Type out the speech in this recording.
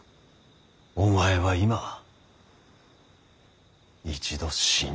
お前は今一度死んだ。